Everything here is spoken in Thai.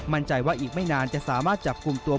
มั่นใจว่าอีกไม่นานจะสามารถจับกลุ่มตัว